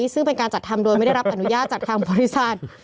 ซึ่งเป็นการจัดทำโดยไม่ได้รับอนุญาตจากทางบริษัท